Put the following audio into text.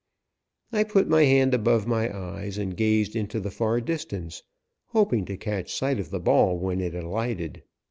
I put my hand above my eyes and gazed into the far distance, hoping to catch sight of the ball when it alighted.